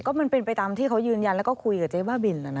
ก็มันเป็นไปตามที่เขายืนยันแล้วก็คุยกับเจ๊บ้าบินแล้วนะ